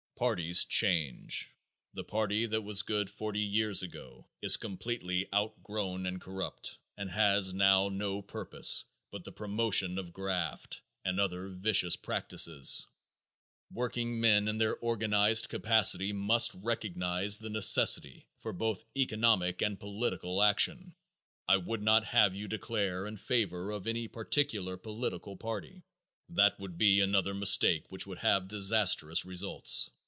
Parties change. The party that was good forty years ago is completely outgrown and corrupt and has now no purpose but the promotion of graft and other vicious practices. Workingmen in their organized capacity must recognize the necessity for both economic and political action. I would not have you declare in favor of any particular political party. That would be another mistake which would have disastrous results.